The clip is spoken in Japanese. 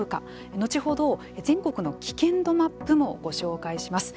後ほど全国の危険度マップもご紹介します。